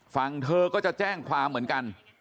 ฝั่งเธอก็จะแจ้งความเหมือนกัน